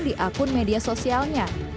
di akun media sosialnya